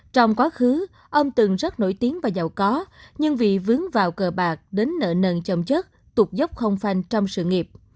trong quá khứ ông từng rất nổi tiếng và giàu có nhưng vì vướng vào cờ bạc đến nợ nần trồng chất tục dốc không phanh trong sự nghiệp